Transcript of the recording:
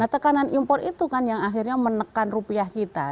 tekanan impor itu kan yang akhirnya menekan rupiah kita